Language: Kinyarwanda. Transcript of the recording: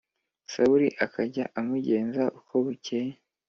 Sawuli akajya amugenza uko bukeye